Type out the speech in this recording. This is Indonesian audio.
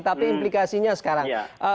tapi implikasinya sekarang